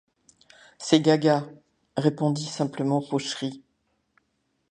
C'est Gaga, répondit simplement Fauchery.